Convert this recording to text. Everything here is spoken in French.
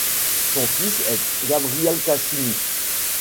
Son fils est Gabriel Cassini.